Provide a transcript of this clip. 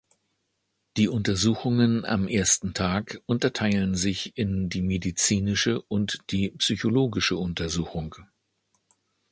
Die Untersuchungen am ersten Tag unterteilen sich in die medizinische und die psychologische Untersuchung.